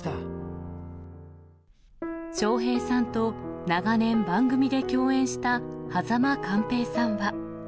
笑瓶さんと長年番組で共演した、間寛平さんは。